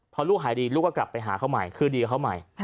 พอลูกหายดีลูกก็กลับไปหาเขาใหม่คือดีกับเขาใหม่